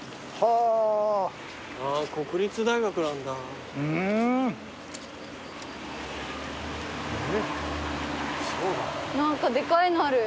あぁ国立大学なんだ。何か。